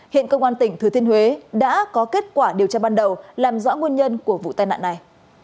hiện công an tỉnh thừa thiên huế đã có kết quả điều tra ban đầu làm rõ nguồn nhân của vụ tai nạn này